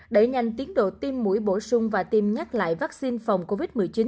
đẩy nhanh tiến độ tiêm mũi bổ sung và tiêm nhắc lại vaccine phòng covid một mươi chín